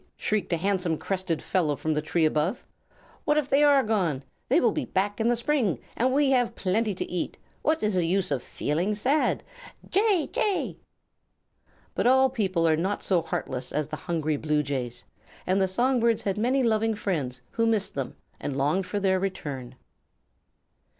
shrieked a handsome crested fellow from the tree above. "What if they are gone? They will be back in the spring, and we have plenty to eat. What is the use of feeling sad? Jay! Jay!" But all people are not so heartless as the hungry Blue Jays, and the song birds had many loving friends who missed them and longed for their return.